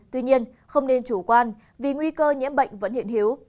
tuy nhiên không nên chủ quan vì nguy cơ nhiễm bệnh vẫn hiện hiếu